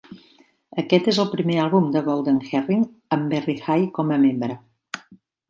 Aquest és el primer àlbum de Golden Earring amb Barry Hay com a membre.